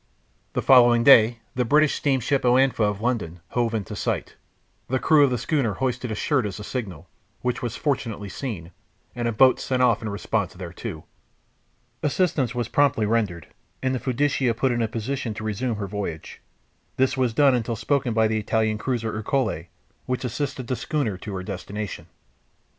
The following day the British steamship Oanfa, of London, hove in sight. The crew of the schooner hoisted a shirt as a signal, which was fortunately seen, and a boat sent off in response thereto. Assistance was promptly rendered, and the Fiducia put in a position to resume her voyage. This was done until spoken by the Italian cruiser Ercole, which assisted the schooner to her destination.